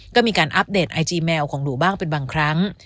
ก็มีการอัปเดตไอจีแมวของหนูบ้างเป็นบางครั้ง